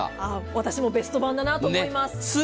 私もベスト版だなと思います。